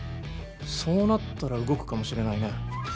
そうなったら動くかもしれないね